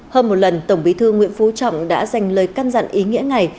hôm một lần tổng bí thư nguyễn phú trọng đã dành lời căn dặn ý nghĩa ngày